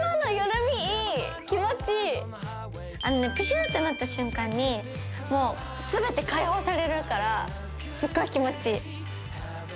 あのねプシュってなった瞬間にもう全て解放されるからすっごい気持ちいい！